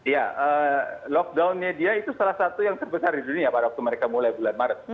ya lockdownnya dia itu salah satu yang terbesar di dunia pada waktu mereka mulai bulan maret